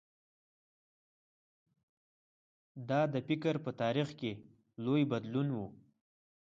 دا د فکر په تاریخ کې لوی بدلون و.